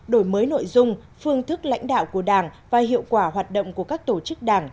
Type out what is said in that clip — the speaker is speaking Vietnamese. đổi mới nội dung phương thức lãnh đạo của đảng và hiệu quả hoạt động của các tổ chức đảng